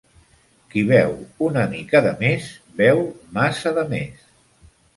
Qui beu una mica de més, beu massa de més.